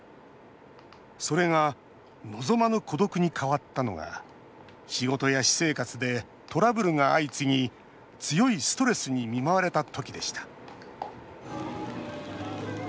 それが望まぬ孤独に変わったのが仕事や私生活でトラブルが相次ぎ強いストレスに見舞われた時でした。